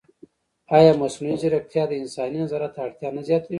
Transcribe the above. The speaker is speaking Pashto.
ایا مصنوعي ځیرکتیا د انساني نظارت اړتیا نه زیاتوي؟